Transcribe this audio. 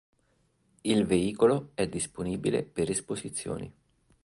Il veicolo è disponibile per esposizioni.